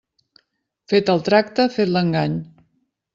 Fet el tracte, fet l'engany.